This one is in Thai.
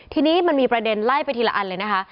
ทีนี้มันมีประเด็นไล่ไปทีละอันเลยนะคะ